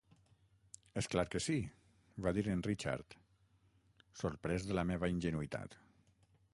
"És clar que sí", va dir en Richard, sorprès de la meva ingenuïtat.